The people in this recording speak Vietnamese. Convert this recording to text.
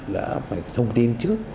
đã phải thông tin trước